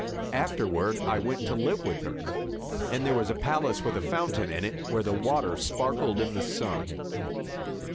Afterward I went to live with her, and there was a palace, with a fountain in it where the water sparkled in the sun."